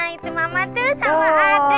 itu mama tuh sama ada